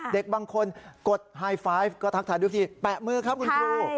เด็กบางคนกดไฮไฟล์ก็ทักทายดูสิแปะมือครับคุณครู